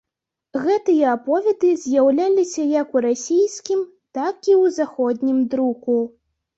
Гэтыя аповеды з'яўляліся як у расійскім, так і ў заходнім друку.